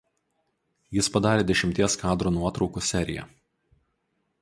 Jis padarė dešimties kadrų nuotraukų seriją.